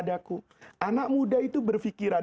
anak muda itu berpikiran